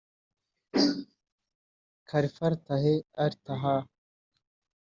khalleefah Saleh Al Taher